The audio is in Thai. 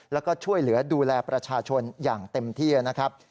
แล้วก็ช่วยเหลือดูแลประชาชนอย่างเต็มที่นะครับ